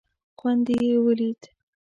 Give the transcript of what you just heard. خوند دې یې ولید.